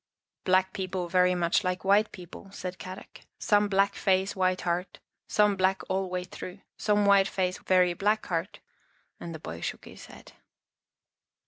" Black people very much like white people," said Kadok. " Some black face white heart, some black all way through. Some white face very black heart," and the boy shook his head.